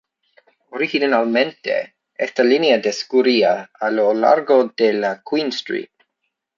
Originalmente, esta línea discurría a lo largo de la Queen Street.